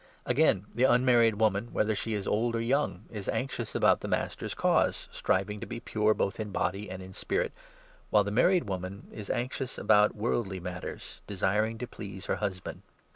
Again, the unmarried woman, whether she is old or 34 young, is anxious about the Master's Cause, striving to be pure both in body and in spirit, while the married woman is anxious about worldly matters, desiring to please her husband.